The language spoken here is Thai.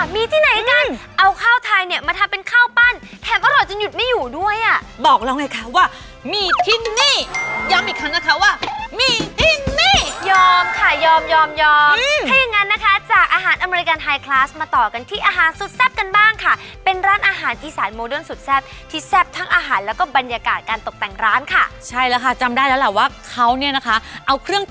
มาทำเป็นข้าวปั้นแถมอร่อยจนหยุดไม่อยู่ด้วยอ่ะบอกเราไงคะว่ามีทิ้นนี่ย้ำอีกครั้งนะคะว่ามีทิ้นนี่ยอมค่ะยอมยอมยอมถ้าอย่างงั้นนะคะจากอาหารอเมริกันไฮคลาสมาต่อกันที่อาหารสุดแซ่บกันบ้างค่ะเป็นร้านอาหารอีสานโมเดิ้นสุดแซ่บที่แซ่บทั้งอาหารแล้วก็บรรยากาศการตกแต่งร้านค่ะใช่แล้วค่ะจ